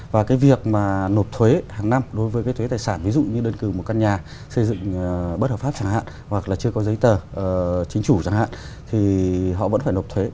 và cái việc mà nộp thuế hàng năm đối với cái thuế tài sản ví dụ như đơn cử một căn nhà xây dựng bất hợp pháp chẳng hạn hoặc là chưa có giấy tờ chính chủ chẳng hạn thì họ vẫn phải nộp thuế